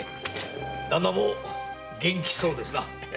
旦那も元気そうですな。